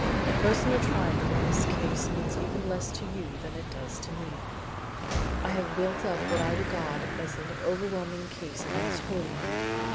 "A personal triumph in this case means even less to you than it does to me. I have built up what I regard as an overwhelming case against Holymead.